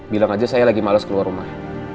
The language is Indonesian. bilang aja saya lagi males keluar rumah